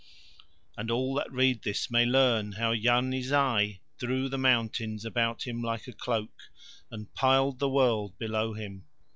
And all that read this may learn how Yarni Zai drew the mountains about him like a cloak, and piled the world below him.